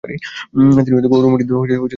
তিনি গৌরবামণ্ডিত ছন্দময় ছিলেন।